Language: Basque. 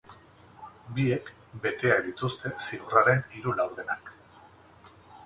Biek beteak dituzte zigorraren hiru laurdenak.